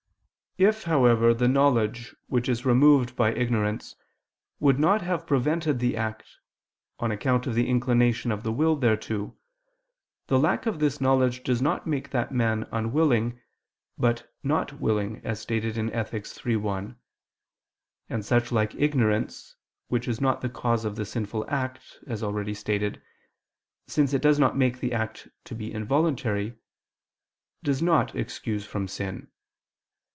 If, however, the knowledge, which is removed by ignorance, would not have prevented the act, on account of the inclination of the will thereto, the lack of this knowledge does not make that man unwilling, but not willing, as stated in Ethic. iii, 1: and such like ignorance which is not the cause of the sinful act, as already stated, since it does not make the act to be involuntary, does not excuse from sin.